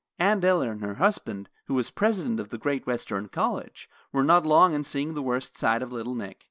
Aunt Ella and her husband, who was president of a great Western college, were not long in seeing the worst side of little Nick.